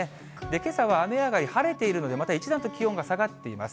けさは雨上がり、晴れているのでまた一段と気温が下がっています。